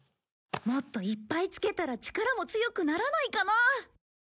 もっといっぱいつけたら力も強くならないかなあ。